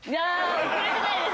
遅れてないです！